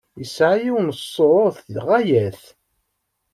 Yesɛa yiwen n ṣṣut ɣaya-t.